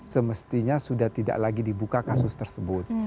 semestinya sudah tidak lagi dibuka kasus tersebut